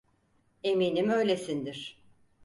Eminim öylesindir.